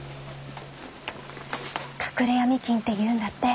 隠れ闇金っていうんだって。